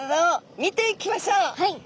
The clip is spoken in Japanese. はい。